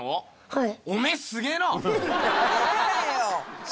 はい。